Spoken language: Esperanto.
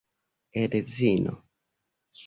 edzino